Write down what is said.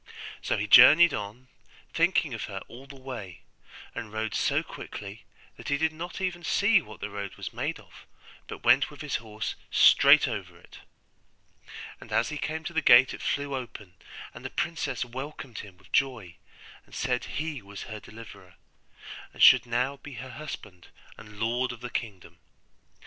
So he journeyed on, thinking of her all the way, and rode so quickly that he did not even see what the road was made of, but went with his horse straight over it; and as he came to the gate it flew open, and the princess welcomed him with joy, and said he was her deliverer, and should now be her husband and lord of the kingdom.